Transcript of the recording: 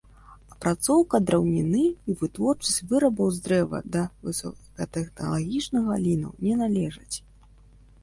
Апрацоўка драўніны і вытворчасць вырабаў з дрэва да высокатэхналагічных галінаў не належаць.